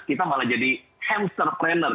kita malah jadi hamster planner